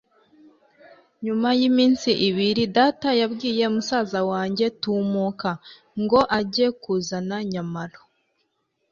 nyuma y'iminsi ibiri, data yabwiye musaza wanjye tumuka, ngo ajye kuzana nyamalo